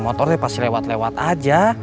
motornya pasti lewat lewat aja